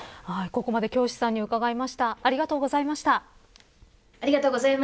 ここまで京師さんにうかがいました。